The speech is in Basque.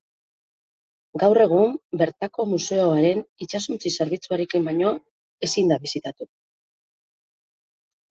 Gaur egun bertako museoaren itsasontzi zerbitzuarekin baino ezin da bisitatu.